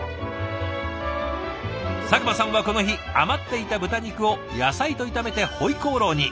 佐久間さんはこの日余っていた豚肉を野菜と炒めてホイコーローに。